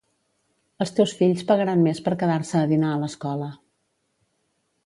Els teus fills pagaran més per quedar-se a dinar a l'escola.